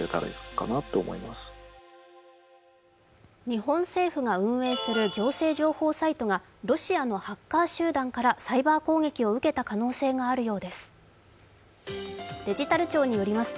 日本政府が運営する行政情報サイトがロシアのハッカー集団からサイバー攻撃を受けた可能性があるようです。